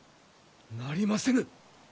なりませぬ！